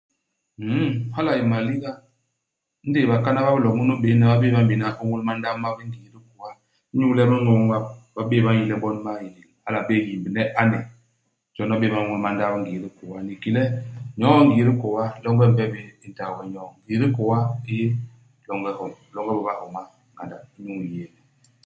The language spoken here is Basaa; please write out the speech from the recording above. Nn, hala a yé maliga. Indéé bakana ba bilo munu i bésni, ba bé'é ba m'béna ôñôl mandap map i ngii i dikôa. Inyu le i miño ñwap, ba bé'é ba n'yi le bon ba ñénél. Hala a bé'é yimbne i ane. Jon ba bé'é ba ñôñôl mandap i ngii i dikôa. Ni ke le nyo'o i ngii i dikôa, longe i mbebi i ntagbe nyo'o. Ngii i dikôa i yé longe i homa bilonge bi bahoma ngandak inyu iyééne.